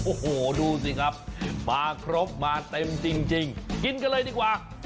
โอ้โหดูสิครับมาครบมาเต็มจริงกินกันเลยดีกว่า